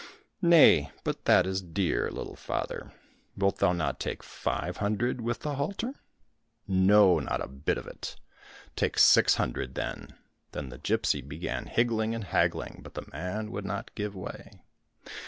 —'' Nay ! but that is dear, little father ! Wilt thou not take five hundred with the halter ?"—" No, not a bit of it !"—" Take six hundred, then !" Then the gipsy began higgling and haggling, but the man would not give way.